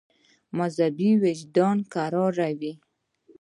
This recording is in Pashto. مذهبي وجدان کراروي.